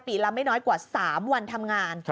ละไม่น้อยกว่า๓วันทำงาน